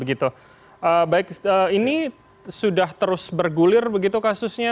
baik ini sudah terus bergulir begitu kasusnya